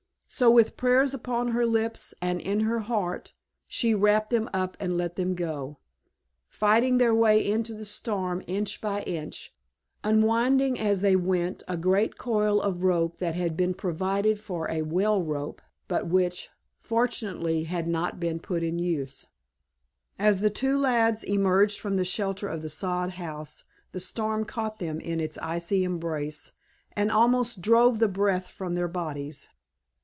So with prayers upon her lips and in her heart she wrapped them up and let them go, fighting their way into the storm inch by inch, unwinding as they went a great coil of rope that had been provided for a well rope, but which, fortunately, had not been put in use. As the two lads emerged from the shelter of the sod house the storm caught them in its icy embrace and almost drove the breath from their bodies.